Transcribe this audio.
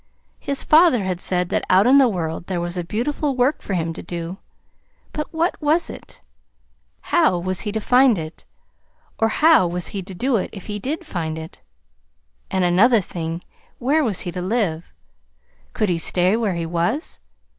His father had said that out in the world there was a beautiful work for him to do; but what was it? How was he to find it? Or how was he to do it if he did find it? And another thing; where was he to live? Could he stay where he was?